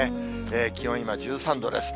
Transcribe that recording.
気温、今、１３度です。